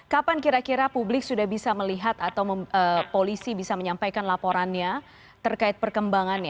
kapan kira kira publik sudah bisa melihat atau polisi bisa menyampaikan laporannya terkait perkembangannya